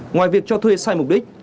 ngoài việc cho thuê sai mục đích